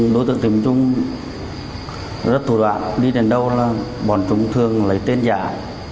đối tượng trịnh minh trung rất thủ đoạn đi đến đâu là bọn chúng thường lấy tên giả